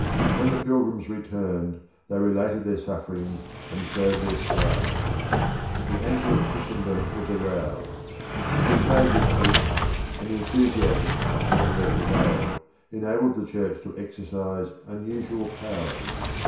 When the pilgrims returned, they related their sufferings, and showed their scars. The anger of Christendom was aroused. A crusade was preached, and the enthusiasm which everywhere prevailed enabled the Church to exercise unusual powers.